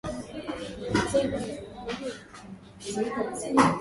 wadudu na magonjwa hupungua hupongua shambalikiwa safi